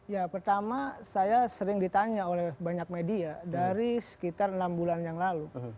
ya pertama saya sering ditanya oleh banyak media dari sekitar enam bulan yang lalu